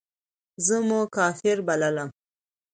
زه مو کافر بللم.